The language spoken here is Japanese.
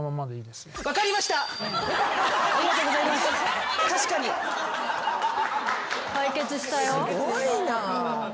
すごいな。